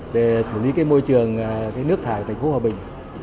để xử lý môi trường nước thải của thành phố hòa bình